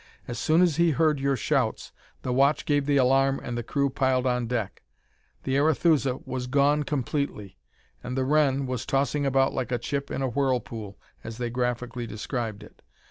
As soon as he heard your shouts, the watch gave the alarm and the crew piled on deck. The Arethusa was gone completely and the Wren was tossing about like 'a chip in a whirlpool' as they graphically described it.